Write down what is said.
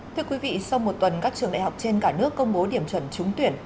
thưa quý vị sau một tuần các trường đại học trên cả nước công bố điểm chuẩn trúng tuyển